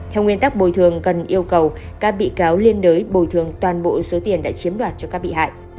theo nguyên tắc bồi thường cần yêu cầu các bị cáo liên đới bồi thường toàn bộ số tiền đã chiếm đoạt cho các bị hại